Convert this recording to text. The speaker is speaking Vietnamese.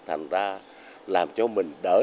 thành ra làm cho mình đỡ đi